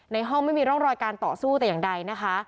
ในห้องไม่มีร่องรอยการต่อสู้แต่อย่างใดนะคะ